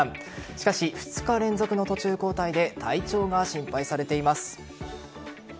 しかし、２日連続の途中交代で体調が心配されています。